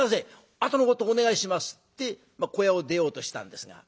「あとのことお願いします」って小屋を出ようとしたんですが。